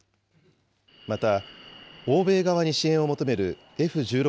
また欧米側に支援を求めるＦ１６